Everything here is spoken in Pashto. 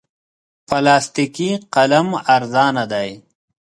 پلاستیکي قلم ارزانه دی.